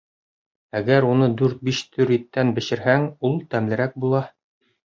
Әгәр уны дүрт-биш төр иттән бешерһәң, ул тәмлерәк була.